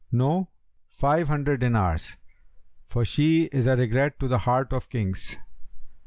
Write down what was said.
'No!' 'Five hundred dinars, for she is a regret to the heart of Kings!'